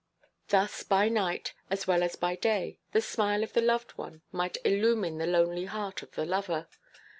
Thus by night, as well as by day, the smile of the loved one might illumine the lonely heart of the lover.